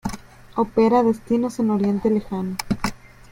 Opera destinos en Oriente Lejano.